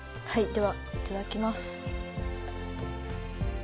はい。